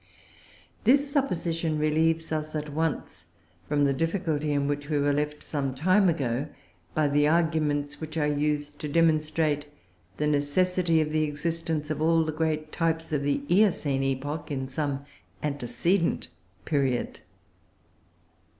This supposition relieves us, at once, from the difficulty in which we were left, some time ago, by the arguments which I used to demonstrate the necessity of the existence of all the great types of the Eocene epoch in some antecedent period.